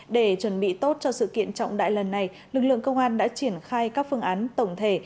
để chuẩn bị tốt cho sự kiện trọng đại lần này lực lượng công an đã triển khai các phương án tổng thể